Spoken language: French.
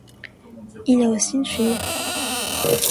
Il a aussi une fille.